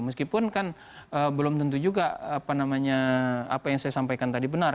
meskipun kan belum tentu juga apa yang saya sampaikan tadi benar